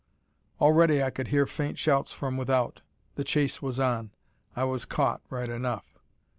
Already I could hear faint shouts from without. The chase was on. I was caught, right enough.